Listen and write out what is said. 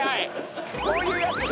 こういうやつね。